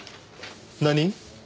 何？